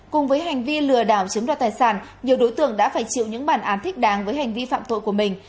cùng với hành vi lừa đảo chiếm đoạt tài sản nhiều đối tượng đã phải chịu những bản án thích đáng với hành vi phạm tội của mình